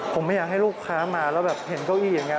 ผมไม่อยากให้ลูกค้ามาแล้วแบบเห็นเก้าอี้อย่างนี้